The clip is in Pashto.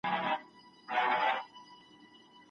محیط مو په خپله خوښه تنظیم کړئ.